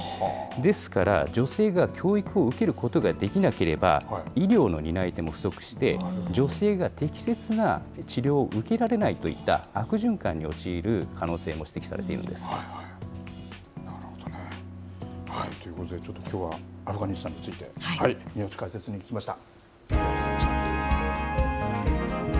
ですから、女性が教育を受けることができなければ、医療の担い手も不足して、女性が適切な治療を受けられないといった悪循環に陥る可能性も指なるほどね。ということで、ちょっときょうはアフガニスタンについて宮内解説委員に聞きました。